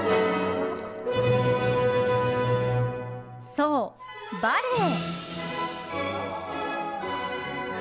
そう、バレエ！